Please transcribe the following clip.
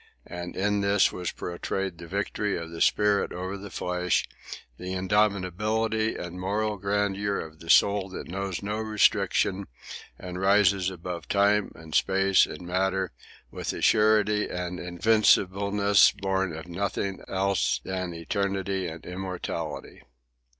And in this was portrayed the victory of the spirit over the flesh, the indomitability and moral grandeur of the soul that knows no restriction and rises above time and space and matter with a surety and invincibleness born of nothing else than eternity and immortality.